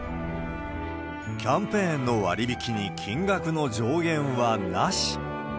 キャンペーンの割引に金額の上限はなし。